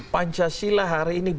pancasila hari ini butuh